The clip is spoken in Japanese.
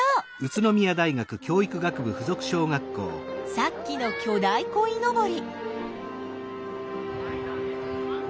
さっきの巨大こいのぼり。